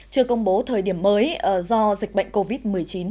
chưa công bố thời điểm mới do dịch bệnh covid một mươi chín